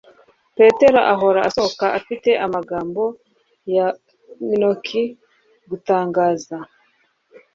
Petero ahora asohoka afite amagambo ya gnomic / gutangaza